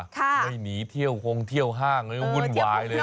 ค่ะหนีเที่ยวโครงเที่ยวห้างก็วุ่นวายเลย